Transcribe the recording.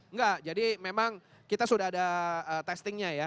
enggak jadi memang kita sudah ada testingnya ya